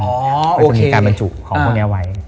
ก็จะมีการบรรจุของพวกนี้ไว้